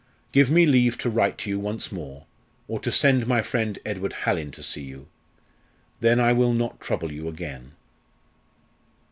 Give me leave to write to you once more, or to send my friend Edward Hallin to see you. Then I will not trouble you again."